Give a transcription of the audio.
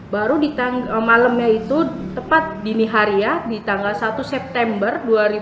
baru di malamnya itu tepat dini hari ya di tanggal satu september dua ribu dua puluh